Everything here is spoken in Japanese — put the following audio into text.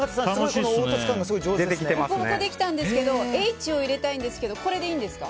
でこぼこ、できたんですがＨを入れたいんですがこれでいいんですか？